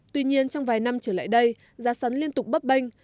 tuy nhiên trong vài năm trở lại đây giá sấn liên tục bấp bênh